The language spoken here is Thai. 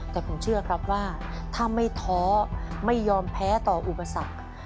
แต่ผมเชื่อครับว่าถ้าไม่ท้อไม่ยอมแพ้ต่ออุปสรรค